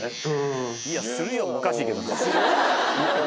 「いやするよ」もおかしいけど。